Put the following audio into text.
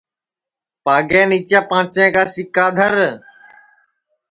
پاگے نیچے پانٚچے کا سِکا دھر